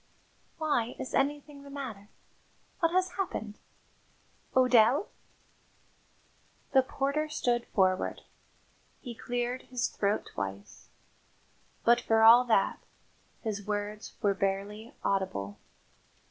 "Why, is anything the matter? What has happened? O'Dell?" The porter stood forward. He cleared his throat twice, but for all that, his words were barely audible.